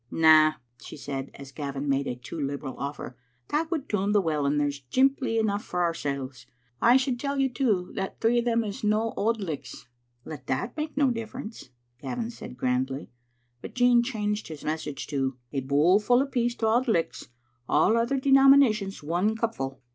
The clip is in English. Na," she said, as Gavin made a too liberal offer, "that would toom the well, and there's jimply enough for oursels. I should tell you, too, that three o' them is no AuldLichts." "Let that make no difference," Gavin said grandly, but Jean changed his message to : "A bowlful apiece to Auld Lichts; all other denominations one cupful."